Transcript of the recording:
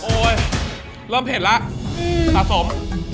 เริ่มเผ็ดแล้วสะสม